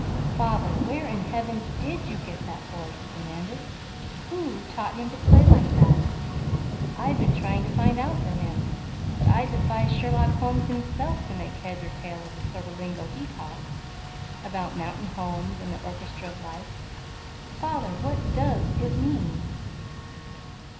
"Father, where in Heaven's name DID you get that boy?" he demanded. "Who taught him to play like that? I've been trying to find out from him, but I'd defy Sherlock Holmes himself to make head or tail of the sort of lingo he talks, about mountain homes and the Orchestra of Life! Father, what DOES it mean?"